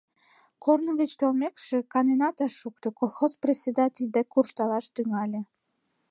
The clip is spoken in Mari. Корно гыч толмекше, каненат ыш шукто, колхоз председатель дек куржталаш тӱҥале.